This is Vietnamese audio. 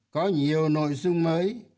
có nhiều nội dung mới